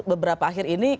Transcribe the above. beberapa akhir ini